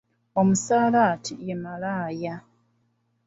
Omusalati ye malaaya.